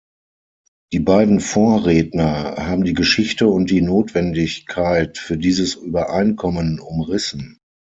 Die beiden Vorredner haben die Geschichte und die Notwendigkeit für dieses Übereinkommen umrissen.